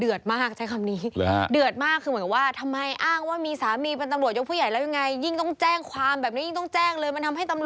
เดือดมากใช้คำนี้เดือดมากคือแบบว่าทำไมอ้างว่ามีสามีเป็นตำรวจยกผู้ใหญ่แล้วยังไง